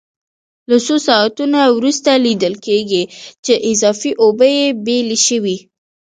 له څو ساعتونو وروسته لیدل کېږي چې اضافي اوبه یې بېلې شوې.